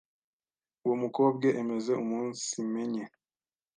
Uwo mukobwe emeze umunsimenye